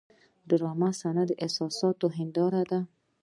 د ډرامې صحنه د احساساتو هنداره ده.